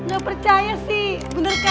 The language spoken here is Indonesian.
gak percaya sih bener kan